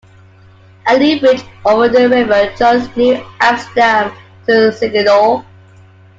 A new bridge over the river joins New Amsterdam to Rosignol.